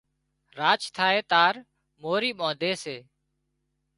راچ ٿائي تار مورِي ٻانڌي سي